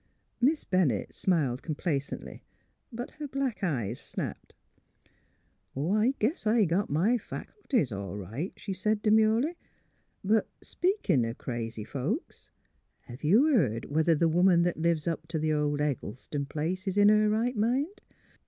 Miss Bennett smiled complacently, but her black eyes snapped. *' Oh, I guess I got my faculties, all right," she said, demurely. '' But speakin' o' crazy folks; hev you beared whether the woman that lives up to th' old Eggleston place is in her right mind?